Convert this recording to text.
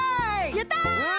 やった！